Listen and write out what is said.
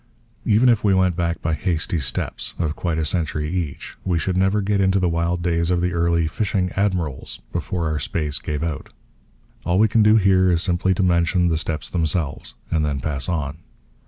Even if we went back by hasty steps, of quite a century each, we should never get into the wild days of the early 'fishing admirals' before our space gave out. All we can do here is simply to mention the steps themselves, and then pass on.